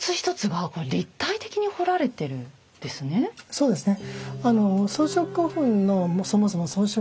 そうですね。